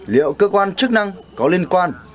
liệu cơ quan chức năng có liên quan